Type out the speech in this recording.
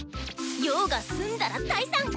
用が済んだら退散！